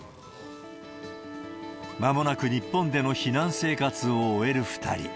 まもなく日本での避難生活を終える２人。